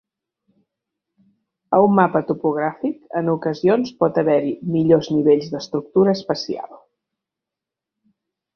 A un mapa topogràfic, en ocasions pot haver-hi millors nivells d"estructura espacial.